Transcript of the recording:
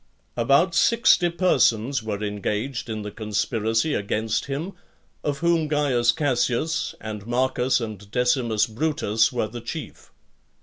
About sixty persons were engaged in the conspiracy against him, of whom Caius Cassius, and Marcus and Decimus Brutus were the chief.